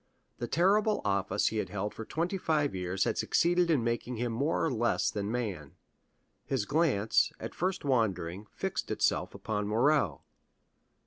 The terrible office he had held for twenty five years had succeeded in making him more or less than man. His glance, at first wandering, fixed itself upon Morrel.